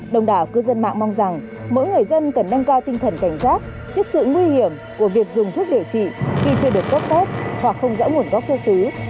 đồng đảo cư dân mạng mong rằng mỗi người dân cần nâng cao tinh thần cảnh giác trước sự nguy hiểm của việc dùng thuốc điều trị khi chưa được cấp phép hoặc không rõ nguồn gốc xuất xứ